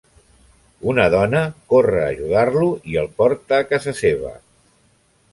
Una dona corre a ajudar-lo i el porta a casa seva.